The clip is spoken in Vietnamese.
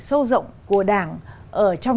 sâu rộng của đảng ở trong